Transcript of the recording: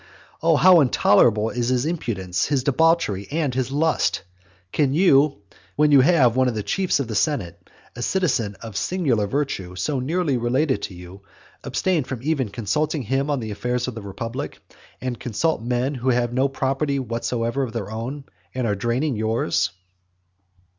Oh how intolerable is his impudence, his debauchery, and his lust! Can you, when you have one of the chiefs of the senate, a citizen of singular virtue, so nearly related to you, abstain from ever consulting him on the affairs of the republic, and consult men who have no property whatever of their own, and are draining yours?